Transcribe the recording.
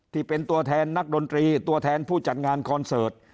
ที่เป็นตัวแทนนักดนตรีตัวแทนผู้จัดงานคอนเสิร์ต